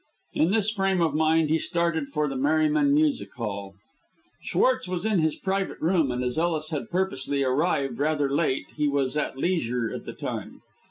In this frame of mind he started for the Merryman Music Hail. Schwartz was in his private room, and as Ellis had purposely arrived rather late he was at leisure at the time.